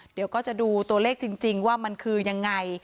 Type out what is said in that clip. เดี๋ยวก็จะดูตัวเลขจริงว่ามันคือยังไง